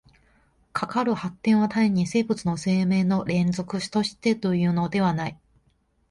かかる発展は単に生物的生命の連続としてというのではない。